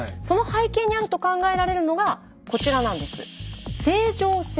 その背景にあると考えられるのがこちらなんです。